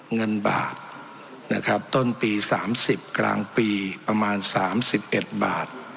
เงินบาทนะครับต้นปีสามสิบกลางปีประมาณสามสิบเอ็ดบาท